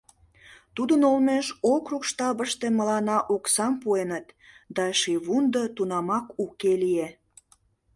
Тудын олмеш округ штабыште мыланна оксам пуэныт, да шийвундо тунамак уке лие.